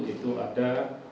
itu ada dua ratus